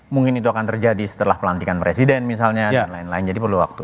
mungkin itu akan terjadi setelah pelantikan presiden misalnya dan lain lain jadi perlu waktu